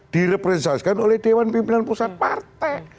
direpresentasikan oleh dewan pimpinan pusat partai